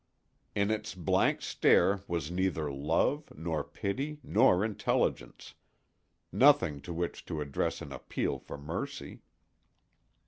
In its blank stare was neither love, nor pity, nor intelligence—nothing to which to address an appeal for mercy.